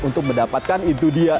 untuk mendapatkan itu dia